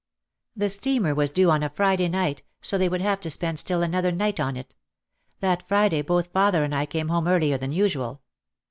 The steamer was due on a Friday night, so they would have to spend still another night on it. That Friday both father and I came home earlier than usual.